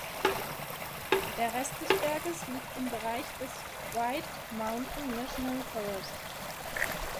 Der Rest des Berges liegt im Bereich des "White Mountain National Forest".